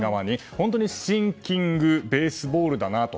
本当にシンキング・ベースボールだなと。